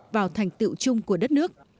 vào thành tựu chung của đất nước